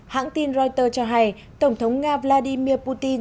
hãng tin reuters cho hay tổng thống nga vladimir putin